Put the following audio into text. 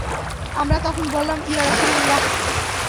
আমরা তখন বললাম, ইয়া রাসূলাল্লাহ!